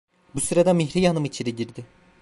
Bu sırada Mihriye hanım içeri girdi.